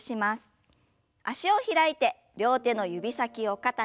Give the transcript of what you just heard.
脚を開いて両手の指先を肩に。